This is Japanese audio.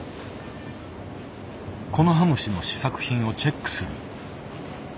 コノハムシの試作品をチェックする。